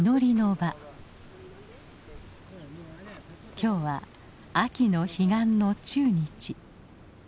今日は秋の彼岸の中日。